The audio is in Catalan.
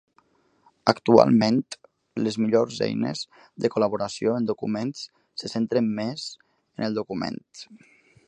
Actualment, les millors eines de col·laboració en documents se centren més en el document.